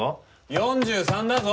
４３だぞ！